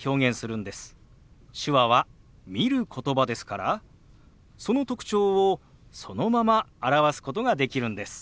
手話は見る言葉ですからその特徴をそのまま表すことができるんです。